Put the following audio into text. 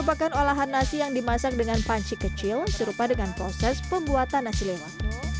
merupakan olahan nasi yang dimasak dengan panci kecil serupa dengan proses pembuatan nasi lewat